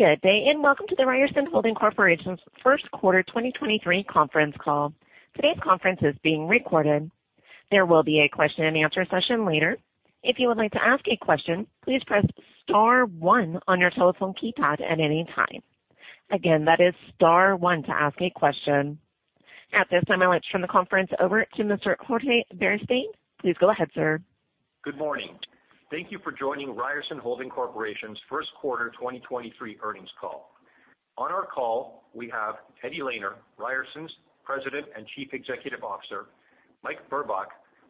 Good day, welcome to the Ryerson Holding Corporation's first quarter 2023 conference call. Today's conference is being recorded. There will be a question-and-answer session later. If you would like to ask a question, please press star one on your telephone keypad at any time. Again, that is star one to ask a question. At this time, I'd like to turn the conference over to Mr. Jorge Beristain. Please go ahead, sir. Good morning. Thank you for joining Ryerson Holding Corporation's first quarter 2023 earnings call. On our call, we have Eddie Lehner, Ryerson's President and Chief Executive Officer, Mike Burbach,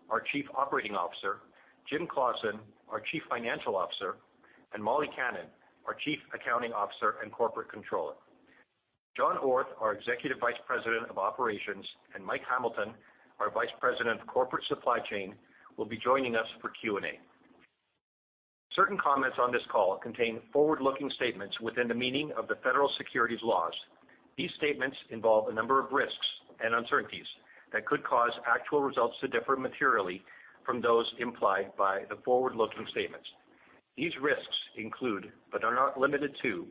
our Chief Operating Officer, Jim Claussen, our Chief Financial Officer, and Molly Kannan, our Chief Accounting Officer and Corporate Controller. John Orth, our Executive Vice President of Operations, and Mike Hamilton, our Vice President of Corporate Supply Chain, will be joining us for Q&A. Certain comments on this call contain forward-looking statements within the meaning of the federal securities laws. These statements involve a number of risks and uncertainties that could cause actual results to differ materially from those implied by the forward-looking statements. These risks include, but are not limited to,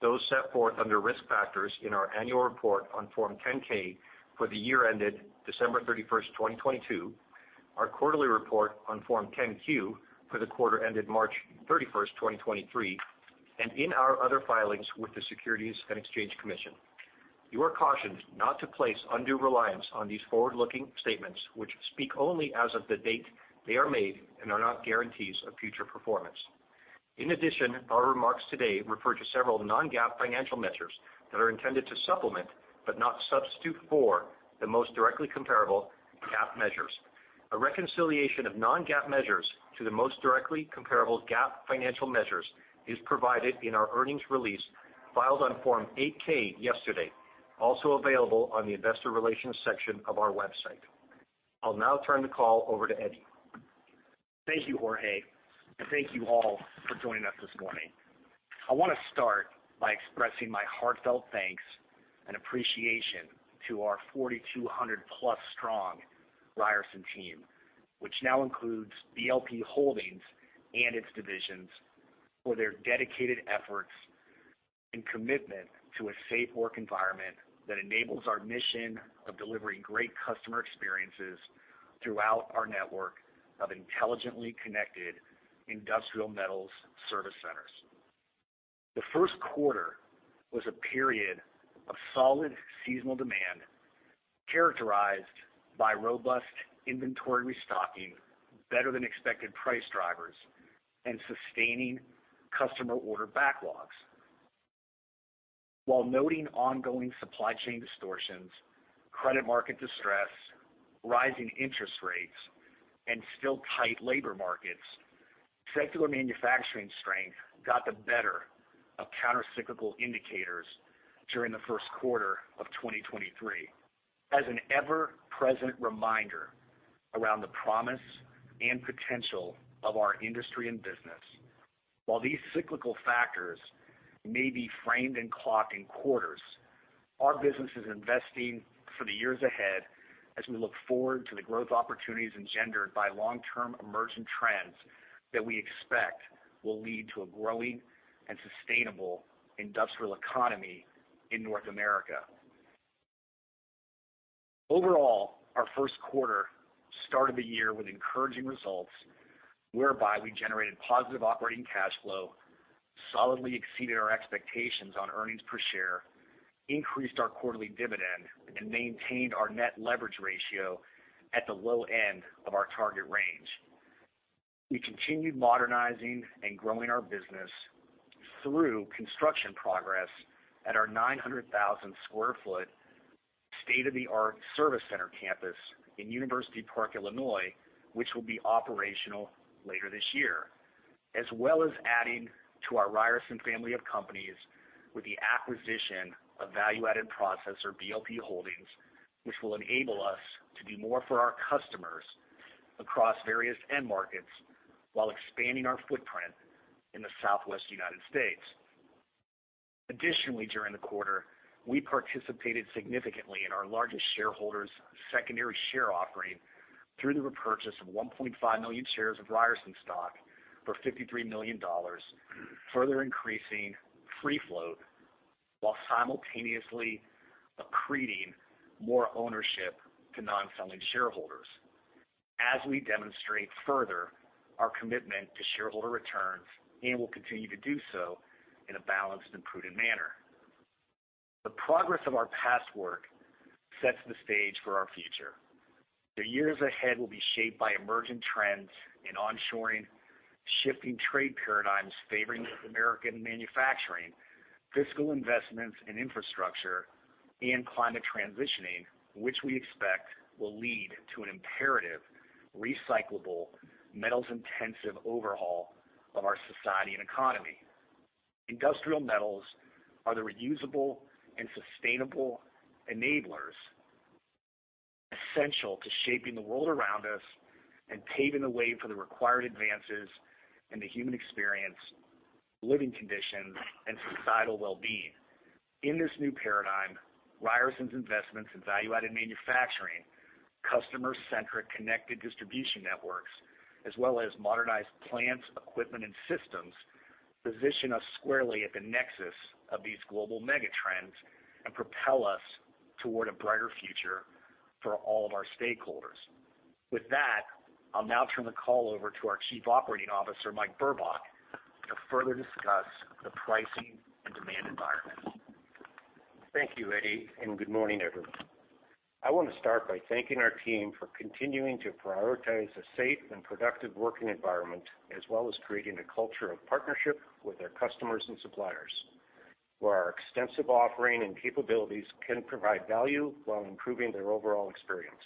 those set forth under Risk Factors in our annual report on Form 10-K for the year ended December 31st, 2022, our quarterly report on Form 10-Q for the quarter ended March 31st, 2023, and in our other filings with the Securities and Exchange Commission. You are cautioned not to place undue reliance on these forward-looking statements, which speak only as of the date they are made and are not guarantees of future performance. In addition, our remarks today refer to several non-GAAP financial measures that are intended to supplement, but not substitute for, the most directly comparable GAAP measures. A reconciliation of non-GAAP measures to the most directly comparable GAAP financial measures is provided in our earnings release filed on Form 8-K yesterday, also available on the investor relations section of our website. I'll now turn the call over to Eddie. Thank you, Jorge, and thank you all for joining us this morning. I want to start by expressing my heartfelt thanks and appreciation to our 4,200+ strong Ryerson team, which now includes BLP Holdings and its divisions, for their dedicated efforts and commitment to a safe work environment that enables our mission of delivering great customer experiences throughout our network of intelligently connected industrial metals service centers. The first quarter was a period of solid seasonal demand characterized by robust inventory restocking, better-than-expected price drivers, and sustaining customer order backlogs. While noting ongoing supply chain distortions, credit market distress, rising interest rates, and still tight labor markets, secular manufacturing strength got the better of countercyclical indicators during the first quarter of 2023 as an ever-present reminder around the promise and potential of our industry and business. While these cyclical factors may be framed and clocked in quarters, our business is investing for the years ahead as we look forward to the growth opportunities engendered by long-term emerging trends that we expect will lead to a growing and sustainable industrial economy in North America. Overall, our first quarter started the year with encouraging results whereby we generated positive operating cash flow, solidly exceeded our expectations on earnings per share, increased our quarterly dividend, and maintained our net leverage ratio at the low end of our target range. We continued modernizing and growing our business through construction progress at our 900,000 sq ft state-of-the-art service center campus in University Park, Illinois, which will be operational later this year, as well as adding to our Ryerson family of companies with the acquisition of value-added processor BLP Holdings, which will enable us to do more for our customers across various end markets while expanding our footprint in the Southwest United States. Additionally, during the quarter, we participated significantly in our largest shareholders secondary share offering through the repurchase of 1.5 million shares of Ryerson stock for $53 million, further increasing free float while simultaneously accreting more ownership to non-selling shareholders. As we demonstrate further our commitment to shareholder returns, and will continue to do so in a balanced and prudent manner. The progress of our past work sets the stage for our future. The years ahead will be shaped by emerging trends in onshoring, shifting trade paradigms favoring North American manufacturing, fiscal investments in infrastructure and climate transitioning, which we expect will lead to an imperative recyclable metals-intensive overhaul of our society and economy. Industrial metals are the reusable and sustainable enablers essential to shaping the world around us and paving the way for the required advances in the human experience, living conditions, and societal well-being. In this new paradigm, Ryerson's investments in value-added manufacturing, customer-centric connected distribution networks, as well as modernized plants, equipment, and systems, position us squarely at the nexus of these global mega trends and propel us toward a brighter future for all of our stakeholders. With that, I'll now turn the call over to our Chief Operating Officer, Mike Burbach, to further discuss the pricing and demand environment. Thank you, Eddie. Good morning, everyone. I want to start by thanking our team for continuing to prioritize a safe and productive working environment, as well as creating a culture of partnership with our customers and suppliers, where our extensive offering and capabilities can provide value while improving their overall experience.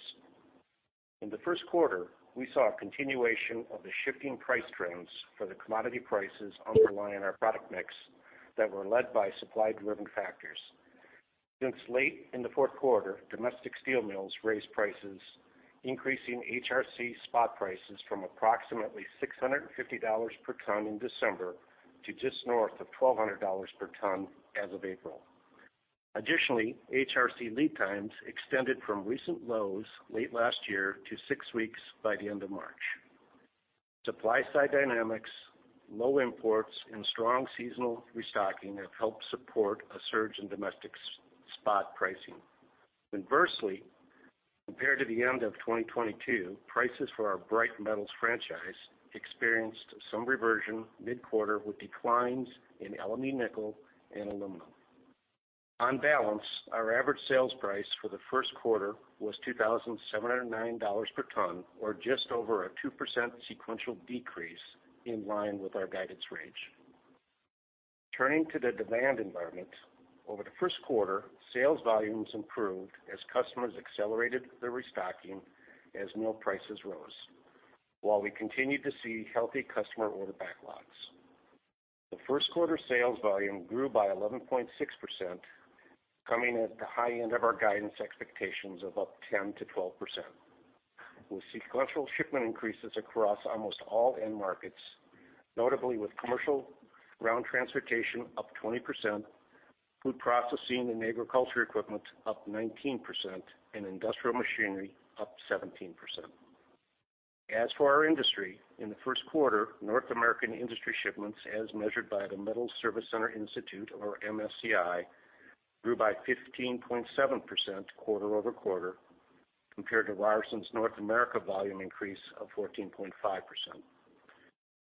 In the first quarter, we saw a continuation of the shifting price trends for the commodity prices underlying our product mix that were led by supply-driven factors. Since late in the fourth quarter, domestic steel mills raised prices, increasing HRC spot prices from approximately $650 per ton in December to just north of $1,200 per ton as of April. Additionally, HRC lead times extended from recent lows late last year to six weeks by the end of March. Supply-side dynamics, low imports and strong seasonal restocking have helped support a surge in domestic spot pricing. Inversely, compared to the end of 2022, prices for our bright metals franchise experienced some reversion mid-quarter with declines in LME nickel and aluminum. On balance, our average sales price for the first quarter was $2,709 per ton, or just over a 2% sequential decrease in line with our guidance range. Turning to the demand environment, over the first quarter, sales volumes improved as customers accelerated their restocking as mill prices rose. While we continued to see healthy customer order backlogs. The first quarter sales volume grew by 11.6%, coming at the high end of our guidance expectations of up 10% to 12%. We see sequential shipment increases across almost all end markets, notably with commercial ground transportation up 20%, food processing and agriculture equipment up 19%, and industrial machinery up 17%. As for our industry, in the first quarter, North American industry shipments, as measured by the Metals Service Center Institute, or MSCI, grew by 15.7% quarter-over-quarter compared to Ryerson's North America volume increase of 14.5%.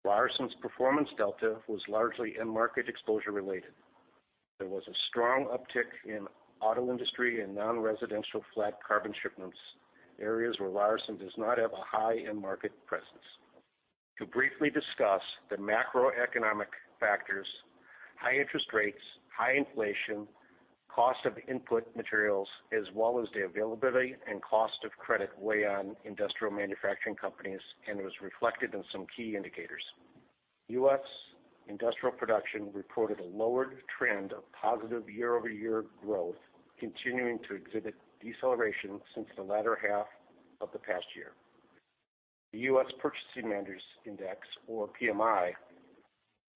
Ryerson's performance delta was largely end market exposure-related. There was a strong uptick in auto industry and non-residential flat carbon shipments, areas where Ryerson does not have a high-end market presence. To briefly discuss the macroeconomic factors, high interest rates, high inflation, cost of input materials, as well as the availability and cost of credit weigh on industrial manufacturing companies and was reflected in some key indicators. U.S. industrial production reported a lowered trend of positive year-over-year growth, continuing to exhibit deceleration since the latter half of the past year. The U.S. Purchasing Managers Index, or PMI,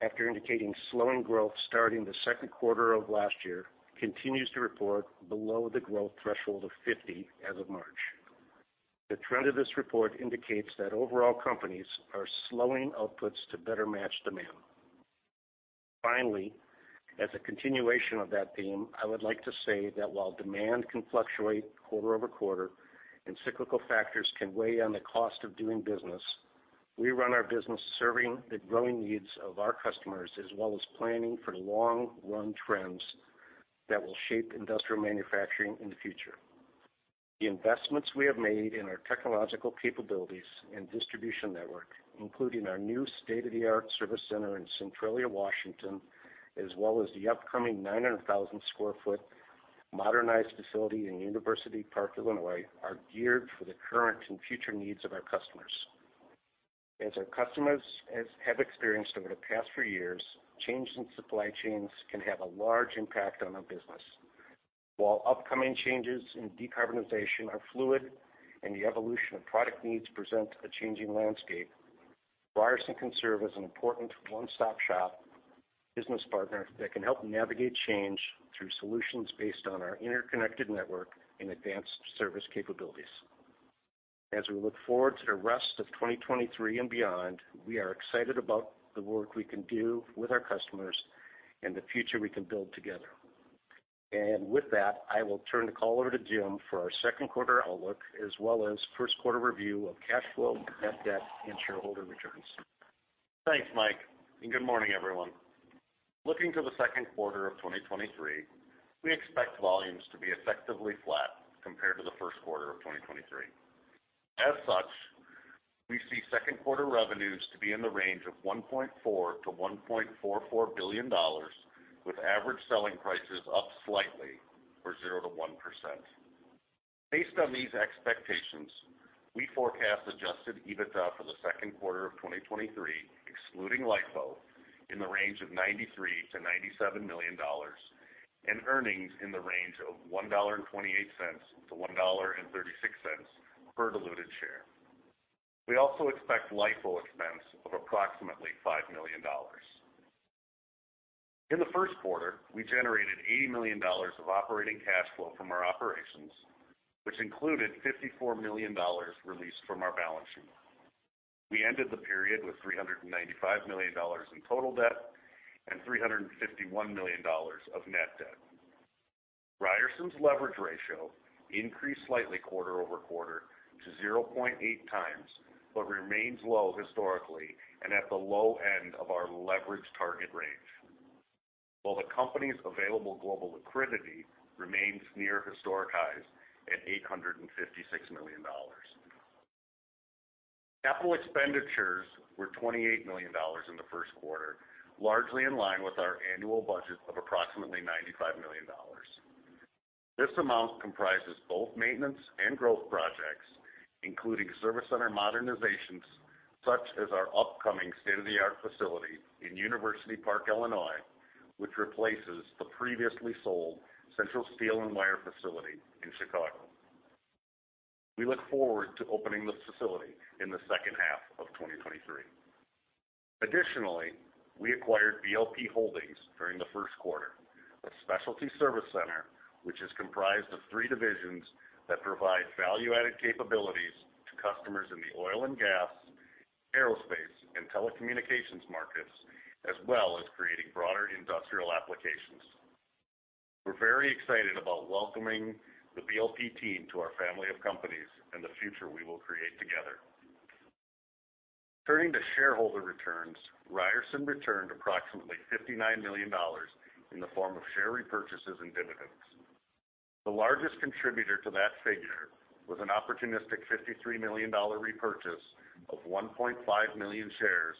after indicating slowing growth starting the second quarter of last year, continues to report below the growth threshold of 50 as of March. The trend of this report indicates that overall companies are slowing outputs to better match demand. Finally, as a continuation of that theme, I would like to say that while demand can fluctuate quarter-over-quarter and cyclical factors can weigh on the cost of doing business, we run our business serving the growing needs of our customers, as well as planning for long-run trends that will shape industrial manufacturing in the future. The investments we have made in our technological capabilities and distribution network, including our new state-of-the-art service center in Centralia, Washington, as well as the upcoming 900,000 sq ft modernized facility in University Park, Illinois, are geared for the current and future needs of our customers. As our customers have experienced over the past few years, changes in supply chains can have a large impact on our business. While upcoming changes in decarbonization are fluid and the evolution of product needs present a changing landscape, Ryerson conserve as an important one-stop-shop business partner that can help navigate change through solutions based on our interconnected network and advanced service capabilities. As we look forward to the rest of 2023 and beyond, we are excited about the work we can do with our customers and the future we can build together. With that, I will turn the call over to Jim for our second quarter outlook, as well as first quarter review of cash flow, net debt, and shareholder returns. Thanks, Mike. Good morning, everyone. Looking to the second quarter of 2023, we expect volumes to be effectively flat compared to the first quarter of 2023. As such, we see second quarter revenues to be in the range of $1.4 billion to $1.44 billion, with average selling prices up slightly for 0% to 1%. Based on these expectations, we forecast adjusted EBITDA for the second quarter of 2023, excluding LIFO, in the range of $93 million to $97 million and earnings in the range of $1.28 to $1.36 per diluted share. We also expect LIFO expense of approximately $5 million. In the first quarter, we generated $80 million of operating cash flow from our operations, which included $54 million released from our balance sheet. We ended the period with $395 million in total debt and $351 million of net debt. Ryerson's leverage ratio increased slightly quarter-over-quarter to 0.8 times, but remains low historically and at the low end of our leverage target range. The company's available global liquidity remains near historic highs at $856 million. Capital expenditures were $28 million in the first quarter, largely in line with our annual budget of approximately $95 million. This amount comprises both maintenance and growth projects, including service center modernizations such as our upcoming state-of-the-art facility in University Park, Illinois, which replaces the previously sold Central Steel & Wire facility in Chicago. We look forward to opening this facility in the second half of 2023. We acquired BLP Holdings during the first quarter, a specialty service center, which is comprised of three divisions that provide value-added capabilities to customers in the oil and gas, aerospace, and telecommunications markets, as well as creating broader industrial applications. We're very excited about welcoming the BLP team to our family of companies and the future we will create together. Turning to shareholder returns, Ryerson returned approximately $59 million in the form of share repurchases and dividends. The largest contributor to that figure was an opportunistic $53 million repurchase of 1.5 million shares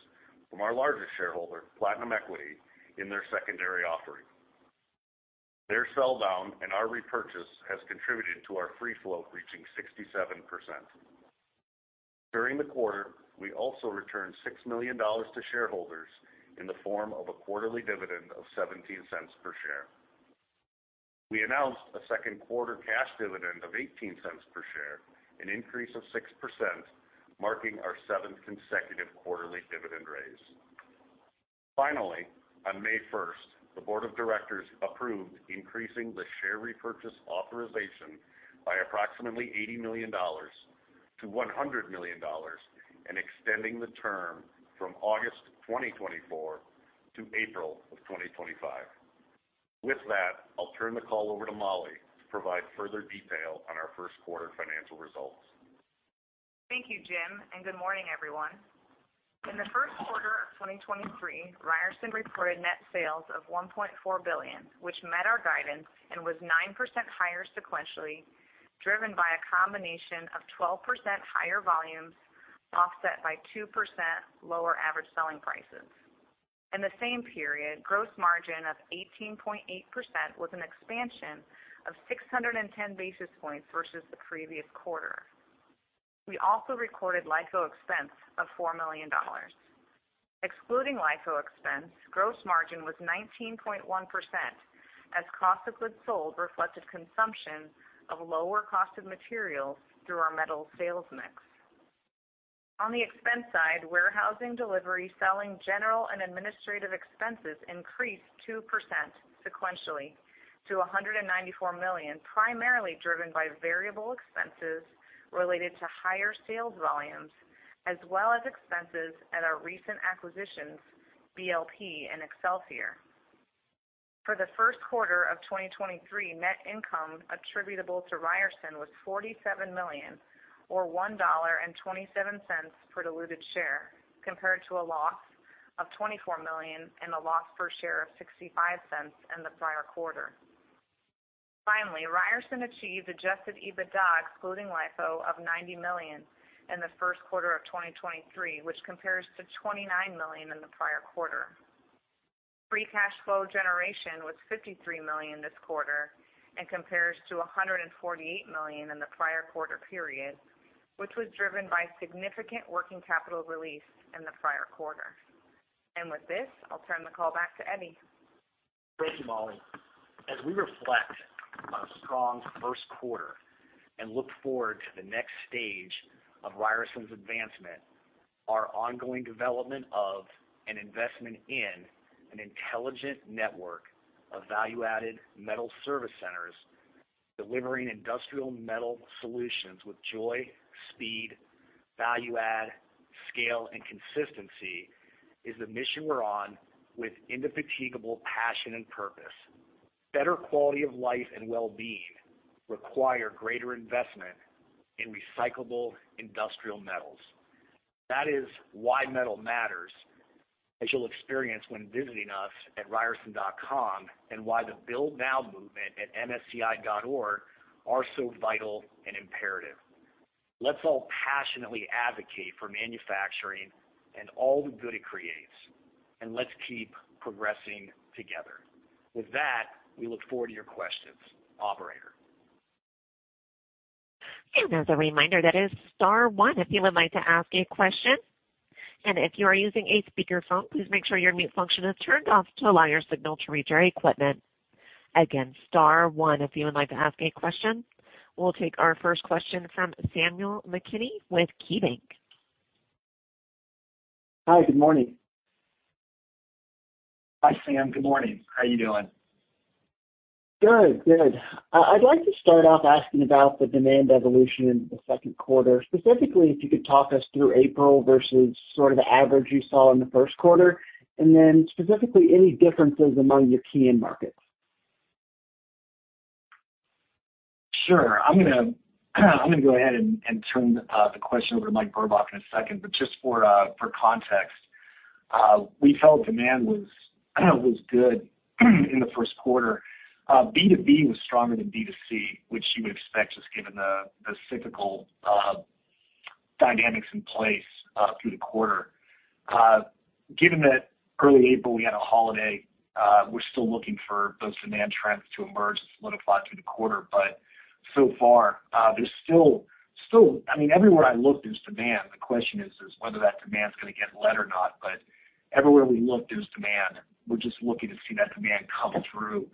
from our largest shareholder, Platinum Equity, in their secondary offering. Their sell-down and our repurchase has contributed to our free float reaching 67%. During the quarter, we also returned $6 million to shareholders in the form of a quarterly dividend of $0.17 per share. We announced a second quarter cash dividend of $0.18 per share, an increase of 6%, marking our seventh consecutive quarterly dividend raise. On May 1st, the board of directors approved increasing the share repurchase authorization by approximately $80 million to $100 million and extending the term from August 2024 to April of 2025. With that, I'll turn the call over to Molly to provide further detail on our first quarter financial results. Thank you, Jim. Good morning, everyone. In the first quarter of 2023, Ryerson reported net sales of $1.4 billion, which met our guidance and was 9% higher sequentially, driven by a combination of 12% higher volumes, offset by 2% lower average selling prices. In the same period, gross margin of 18.8% was an expansion of 610 basis points versus the previous quarter. We also recorded LIFO expense of $4 million. Excluding LIFO expense, gross margin was 19.1% as cost of goods sold reflected consumption of lower cost of materials through our metal sales mix. On the expense side, warehousing, delivery, selling, general and administrative expenses increased 2% sequentially to $194 million, primarily driven by variable expenses related to higher sales volumes as well as expenses at our recent acquisitions, BLP and Excelsior. For the first quarter of 2023, net income attributable to Ryerson was $47 million or $1.27 per diluted share, compared to a loss of $24 million and a loss per share of $0.65 in the prior quarter. Ryerson achieved adjusted EBITDA excluding LIFO of $90 million in the first quarter of 2023, which compares to $29 million in the prior quarter. Free cash flow generation was $53 million this quarter and compares to $148 million in the prior quarter period, which was driven by significant working capital release in the prior quarter. With this, I'll turn the call back to Eddie. Thank you, Molly. As we reflect on a strong first quarter and look forward to the next stage of Ryerson's advancement, our ongoing development of an investment in an intelligent network of value-added metal service centers, delivering industrial metal solutions with joy, speed, value-add, scale, and consistency is the mission we're on with indefatigable passion and purpose. Better quality of life and well-being require greater investment in recyclable industrial metals. That is why metal matters, as you'll experience when visiting us at ryerson.com, and why the Build Now movement at msci.org are so vital and imperative. Let's all passionately advocate for manufacturing and all the good it creates, and let's keep progressing together. With that, we look forward to your questions. Operator? As a reminder, that is star one if you would like to ask a question. If you are using a speakerphone, please make sure your mute function is turned off to allow your signal to reach our equipment. Again, star one if you would like to ask any question. We'll take our first question from Samuel McKinney with KeyBanc Capital Markets. Hi, good morning. Hi, Sam. Good morning. How are you doing? Good. Good. I'd like to start off asking about the demand evolution in the second quarter. Specifically, if you could talk us through April versus sort of the average you saw in the first quarter, and then specifically, any differences among your key end markets. Sure. I'm gonna go ahead and turn the question over to Mike Burbach in a second. Just for context, we felt demand was good in the first quarter. B2B was stronger than B2C, which you would expect just given the cyclical dynamics in place through the quarter. Given that early April we had a holiday, we're still looking for those demand trends to emerge and solidify through the quarter. So far, there's still... I mean, everywhere I look, there's demand. The question is whether that demand is gonna get let or not. Everywhere we look, there's demand. We're just looking to see that demand come through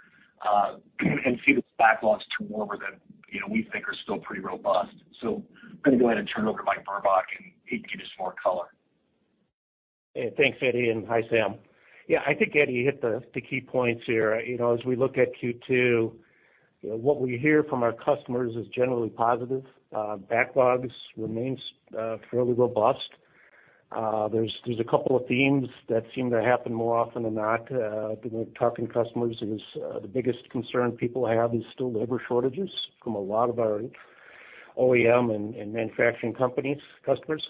and see those backlogs turn over that, you know, we think are still pretty robust. I'm gonna go ahead and turn it over to Mike Burbach, and he can give you some more color. Thanks, Eddie. Hi, Sam. Yeah. I think, Eddie, you hit the key points here. You know, as we look at Q2, you know, what we hear from our customers is generally positive. Backlogs remains fairly robust. There's a couple of themes that seem to happen more often than not. You know, talking to customers is the biggest concern people have is still labor shortages from a lot of our OEM and manufacturing companies, customers.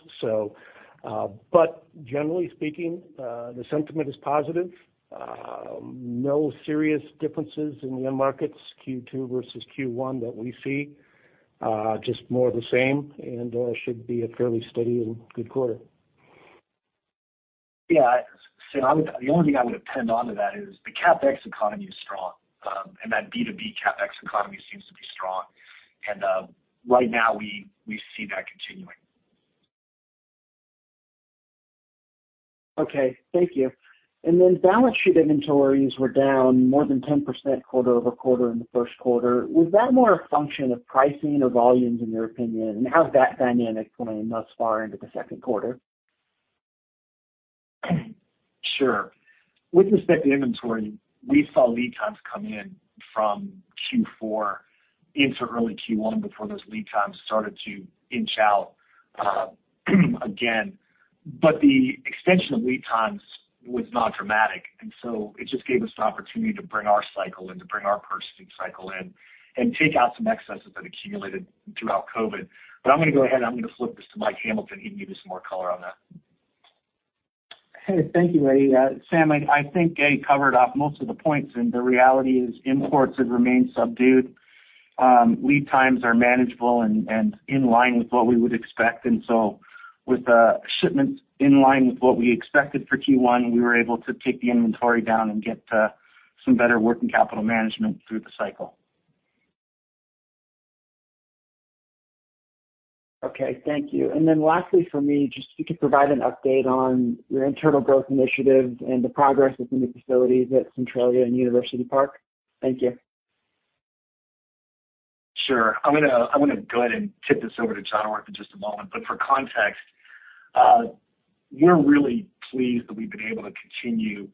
Generally speaking, the sentiment is positive. No serious differences in the end markets, Q2 versus Q1 that we see, just more the same and should be a fairly steady and good quarter. Yeah. Sam, the only thing I would append onto that is the CapEx economy is strong, and that B2B CapEx economy seems to be strong. Right now, we see that continuing. Okay. Thank you. Then balance sheet inventories were down more than 10% quarter-over-quarter in the first quarter. Was that more a function of pricing or volumes in your opinion? How's that dynamic going thus far into the second quarter? Sure. With respect to inventory, we saw lead times come in from Q4 into early Q1 before those lead times started to inch out again. The extension of lead times was not dramatic, and so it just gave us the opportunity to bring our cycle in, to bring our purchasing cycle in and take out some excesses that accumulated throughout COVID. I'm gonna go ahead, I'm gonna flip this to Mike Hamilton. He can give you some more color on that. Hey, thank you, Eddie. Sam, I think Eddie covered off most of the points, the reality is imports have remained subdued. Lead times are manageable and in line with what we would expect. With shipments in line with what we expected for Q1, we were able to take the inventory down and get some better working capital management through the cycle. Okay. Thank you. Lastly for me, just if you could provide an update on your internal growth initiatives and the progress within the facilities at Centralia and University Park. Thank you. Sure. I'm gonna go ahead and tip this over to John Orth in just a moment. For context, we're really pleased that we've been able to continue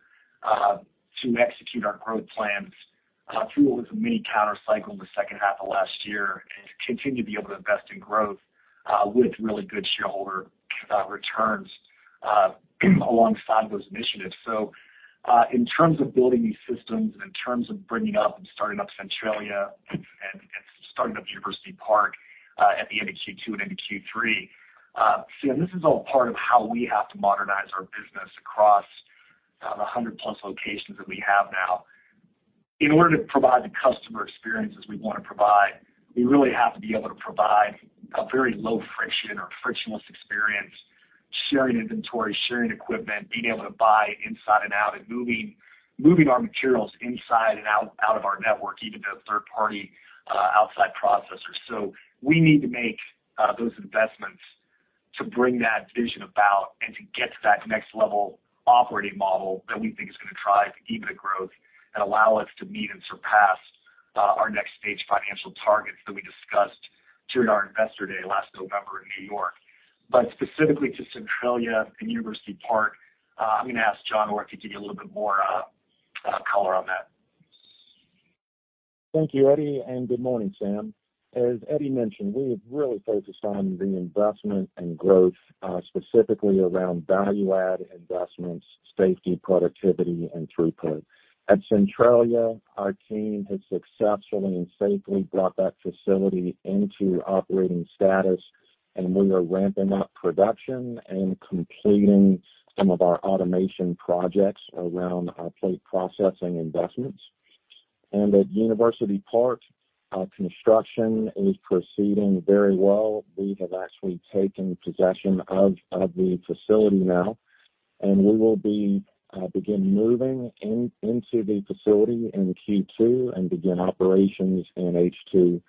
to execute our growth plans through what was a mini counter-cycle in the second half of last year and continue to be able to invest in growth with really good shareholder returns alongside those initiatives. In terms of building these systems and in terms of bringing up and starting up Centralia and starting up University Park, at the end of Q2 and into Q3, Sam, this is all part of how we have to modernize our business across the 100+ locations that we have now. In order to provide the customer experiences we wanna provide, we really have to be able to provide a very low friction or frictionless experience, sharing inventory, sharing equipment, being able to buy inside and out, and moving our materials inside and out of our network, even to a third party outside processor. We need to make those investments to bring that vision about and to get to that next level operating model that we think is gonna drive even a growth and allow us to meet and surpass our next stage financial targets that we discussed during our investor day last November in New York. Specifically to Centralia and University Park, I'm gonna ask John Orth to give you a little bit more color on that. Thank you, Eddie, and good morning, Sam. As Eddie mentioned, we have really focused on the investment and growth, specifically around value add investments, safety, productivity, and throughput. At Centralia, our team has successfully and safely brought that facility into operating status, and we are ramping up production and completing some of our automation projects around our plate processing investments. At University Park, our construction is proceeding very well. We have actually taken possession of the facility now. We will be begin moving into the facility in Q2 and begin operations in H2.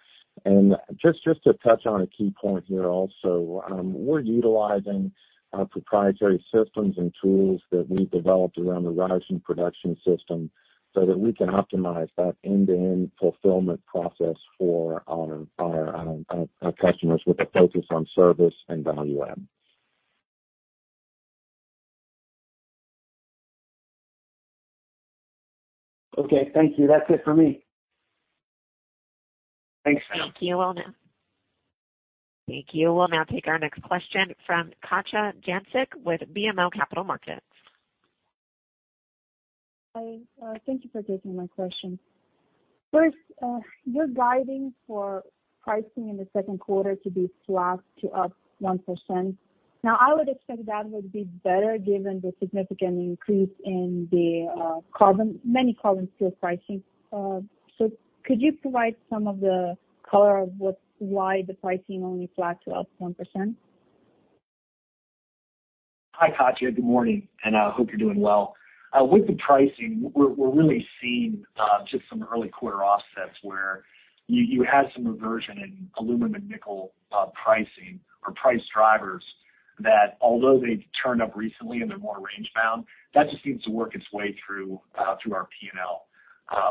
Just to touch on a key point here also, we're utilizing proprietary systems and tools that we developed around the Ryerson Production System so that we can optimize that end-to-end fulfillment process for our customers with a focus on service and value add. Okay. Thank you. That's it for me. Thanks. Thank you. We'll now take our next question from Katja Jancic with BMO Capital Markets. Hi, thank you for taking my question. First, you're guiding for pricing in the second quarter to be flat to up 1%. I would expect that would be better given the significant increase in the carbon, many carbon steel pricing. Could you provide some of the color of why the pricing only flat to up 1%? Hi, Katja. Good morning. I hope you're doing well. With the pricing, we're really seeing just some early quarter offsets where you had some reversion in aluminum and nickel pricing or price drivers that although they've turned up recently and they're more range bound, that just needs to work its way through through our P&L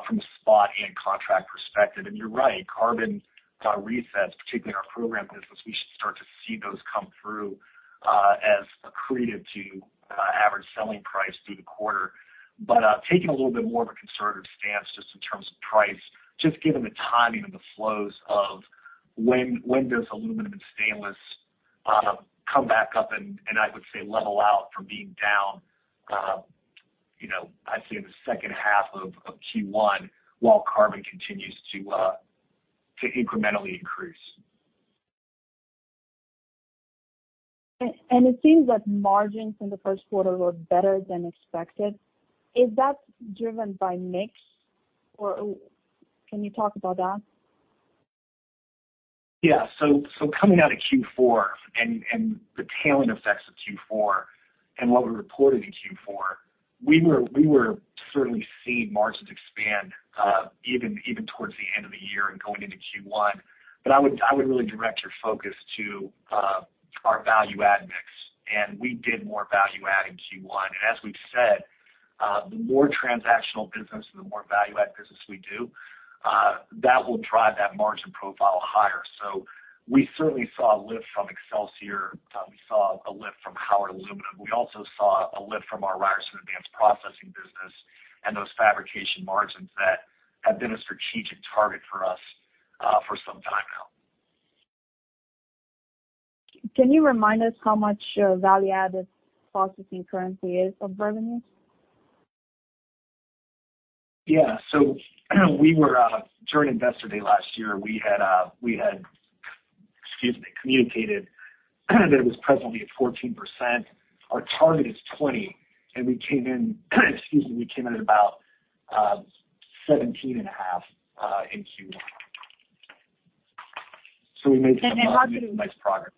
from a spot and contract perspective. You're right, carbon resets, particularly in our program business, we should start to see those come through as accretive to average selling price through the quarter. Taking a little bit more of a conservative stance just in terms of price, just given the timing of the flows of when does aluminum and stainless come back up, and I would say level out from being down, you know, I'd say in the second half of Q1 while carbon continues to incrementally increase. It seems that margins in the first quarter were better than expected. Is that driven by mix or can you talk about that? Yeah. Coming out of Q4 and the tailwind effects of Q4 and what we reported in Q4, we were certainly seeing margins expand even towards the end of the year and going into Q1. I would really direct your focus to our value add mix. We did more value add in Q1. As we've said, the more transactional business and the more value add business we do, that will drive that margin profile higher. We certainly saw a lift from Excelsior. We saw a lift from Howard Aluminum. We also saw a lift from our Ryerson Advanced Processing business and those fabrication margins that have been a strategic target for us for some time now. Can you remind us how much, value added processing currently is of revenue? Yeah. We were during Investor Day last year, we had, excuse me, communicated that it was presently at 14%. Our target is 20%, and we came in, excuse me, at about 17.5% in Q1. We made nice progress.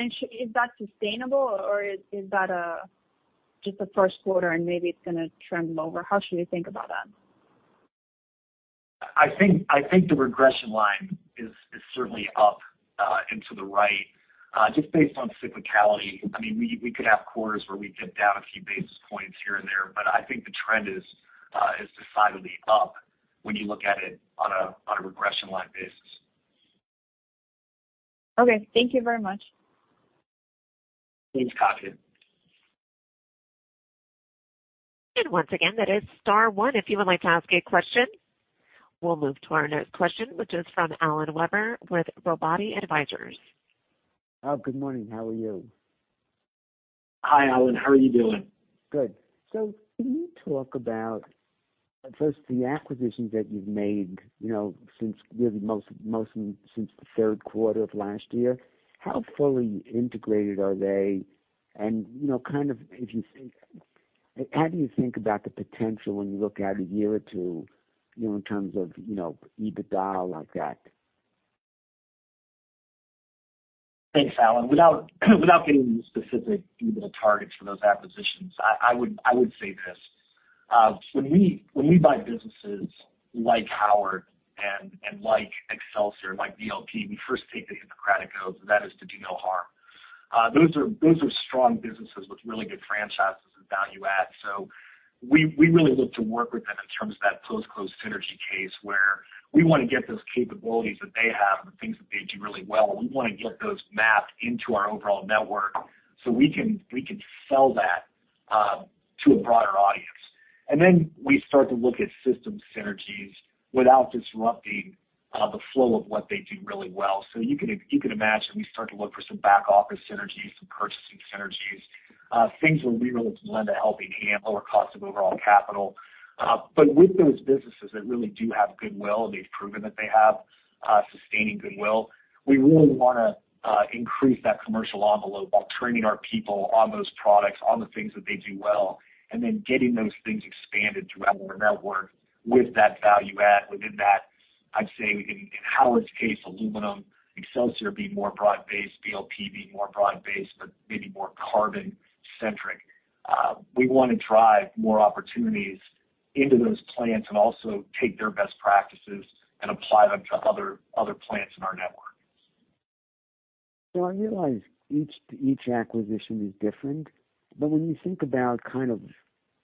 Is that sustainable or is that just the first quarter and maybe it's gonna trend lower? How should we think about that? I think the regression line is certainly up and to the right, just based on cyclicality. I mean, we could have quarters where we dip down a few basis points here and there, but I think the trend is decidedly up when you look at it on a regression line basis. Okay. Thank you very much. Thanks, Katja. Once again, that is star one if you would like to ask a question. We'll move to our next question, which is from Alan Weber with Robotti & Company Advisors. Oh, good morning. How are you? Hi, Alan. How are you doing? Can you talk about, first, the acquisitions that you've made, you know, since really most since the third quarter of last year? How fully integrated are they? You know, kind of how do you think about the potential when you look out one year or two, you know, in terms of, you know, EBITDA like that? Thanks, Alan. Without getting into specific EBITDA targets for those acquisitions, I would say this. When we buy businesses like Howard and like Excelsior, like BLP, we first take the Hippocratic oath, that is to do no harm. Those are strong businesses with really good franchises and value add. we really look to work with them in terms of that post-close synergy case, where we wanna get those capabilities that they have, the things that they do really well, and we wanna get those mapped into our overall network so we can sell that to a broader audience. we start to look at system synergies without disrupting the flow of what they do really well. You can imagine we start to look for some back office synergies, some purchasing synergies, things where we really lend a helping hand, lower cost of overall capital. With those businesses that really do have goodwill, and they've proven that they have sustaining goodwill, we really wanna increase that commercial envelope while training our people on those products, on the things that they do well, and then getting those things expanded throughout our network with that value add. I'd say in Howard's case, aluminum, Excelsior being more broad-based, BLP being more broad-based, but maybe more carbon centric. We wanna drive more opportunities into those plants and also take their best practices and apply them to other plants in our network. I realize each acquisition is different, but when you think about kind of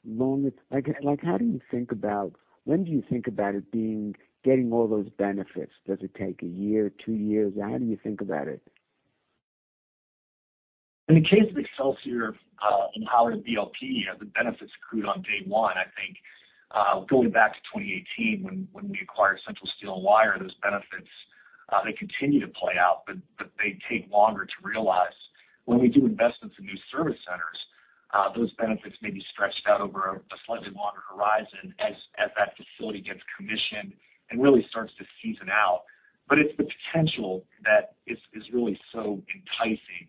long... Like how do you think about... When do you think about it getting all those benefits? Does it take a year, two years? How do you think about it? In the case of Excelsior, and Howard and BLP, the benefits accrued on day one. I think, going back to 2018 when we acquired Central Steel & Wire, those benefits, they continue to play out, but they take longer to realize. When we do investments in new service centers, those benefits may be stretched out over a slightly longer horizon as that facility gets commissioned and really starts to season out. It's the potential that is really so enticing,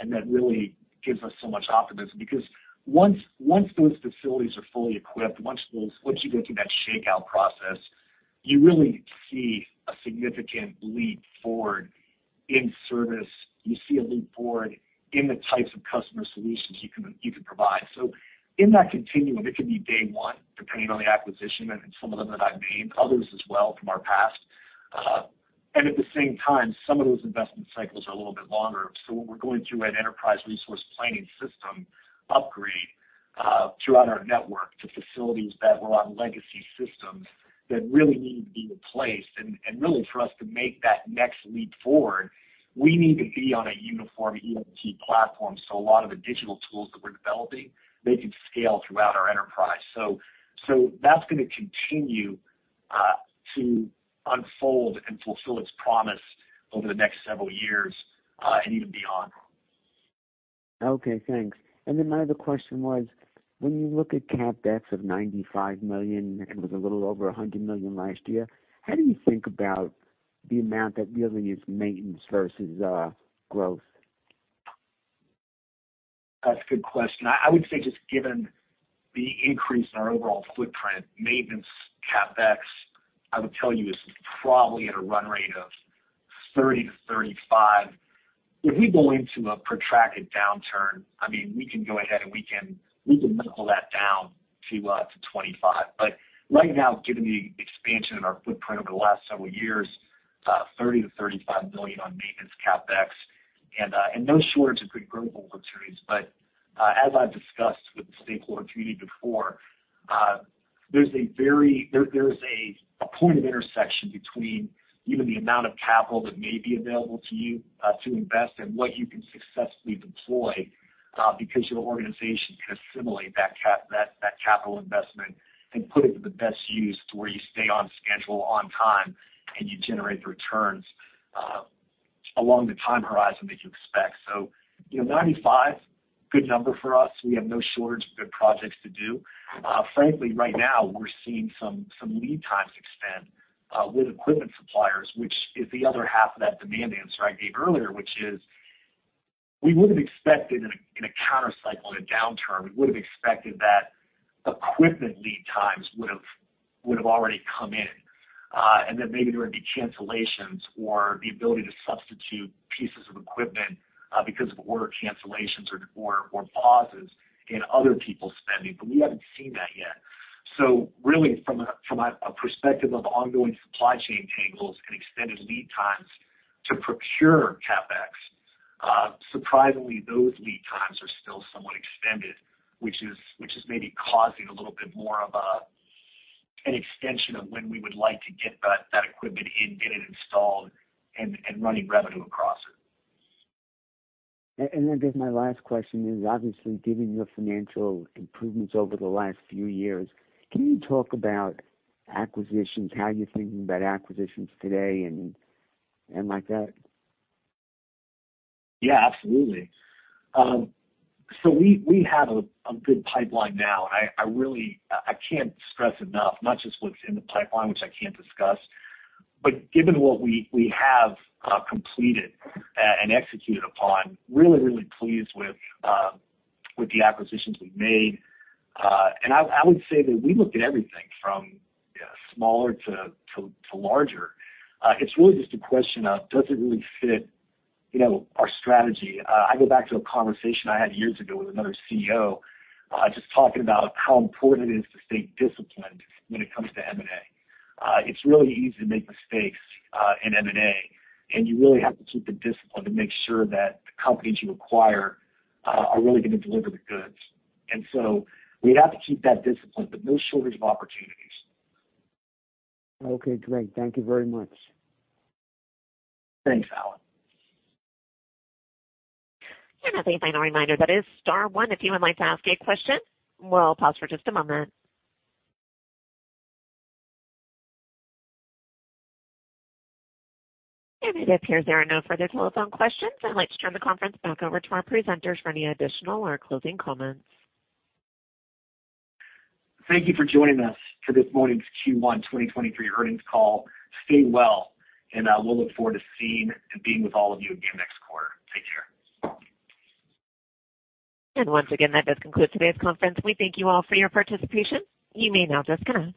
and that really gives us so much optimism because once those facilities are fully equipped, once you go through that shakeout process, you really see a significant leap forward in service. You see a leap forward in the types of customer solutions you can provide. In that continuum, it can be day one, depending on the acquisition and some of them that I've named, others as well from our past. At the same time, some of those investment cycles are a little bit longer. We're going through an enterprise resource planning system upgrade throughout our network to facilities that were on legacy systems that really need to be replaced. Really for us to make that next leap forward, we need to be on a uniform ERP platform, so a lot of the digital tools that we're developing, they can scale throughout our enterprise. That's gonna continue to unfold and fulfill its promise over the next several years and even beyond. Okay, thanks. My other question was when you look at CapEx of $95 million, it was a little over $100 million last year, how do you think about the amount that really is maintenance versus growth? That's a good question. I would say just given the increase in our overall footprint, maintenance CapEx, I would tell you, is probably at a run rate of $30 million to $35 million. If we go into a protracted downturn, I mean, we can go ahead and we can pull that down to $25 million. Right now, given the expansion of our footprint over the last several years, $30 million to $35 million on maintenance CapEx. No shortage of good growth opportunities. As I've discussed with the stakeholder community before, there's a point of intersection between even the amount of capital that may be available to you, to invest and what you can successfully deploy, because your organization can assimilate that capital investment and put it to the best use to where you stay on schedule, on time, and you generate the returns, along the time horizon that you expect. You know, 95, good number for us. We have no shortage of good projects to do. Frankly, right now we're seeing some lead times extend with equipment suppliers, which is the other half of that demand answer I gave earlier, which is we would have expected in a, in a countercycle, in a downturn, we would have expected that equipment lead times would have already come in, and that maybe there would be cancellations or the ability to substitute pieces of equipment because of order cancellations or pauses in other people's spending. We haven't seen that yet. Really from a perspective of ongoing supply chain tangles and extended lead times to procure CapEx, surprisingly those lead times are still somewhat extended, which is maybe causing a little bit more of an extension of when we would like to get that equipment in, get it installed and running revenue across it. I guess my last question is obviously given your financial improvements over the last few years, can you talk about acquisitions, how you're thinking about acquisitions today and like that? Yeah, absolutely. We have a good pipeline now. I really I can't stress enough, not just what's in the pipeline, which I can't discuss, but given what we have completed and executed upon, really, really pleased with the acquisitions we've made. I would say that we look at everything from, you know, smaller to larger. It's really just a question of does it really fit, you know, our strategy. I go back to a conversation I had years ago with another CEO, just talking about how important it is to stay disciplined when it comes to M&A. It's really easy to make mistakes in M&A, and you really have to keep the discipline to make sure that the companies you acquire are really gonna deliver the goods. We have to keep that discipline, but no shortage of opportunities. Okay, great. Thank you very much. Thanks, Alan. As a final reminder, that is star one if you would like to ask a question. We'll pause for just a moment. It appears there are no further telephone questions. I'd like to turn the conference back over to our presenters for any additional or closing comments. Thank you for joining us for this morning's Q1 2023 earnings call. Stay well, and we'll look forward to seeing and being with all of you again next quarter. Take care. Once again, that does conclude today's conference. We thank you all for your participation. You may now disconnect.